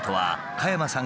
加山さん！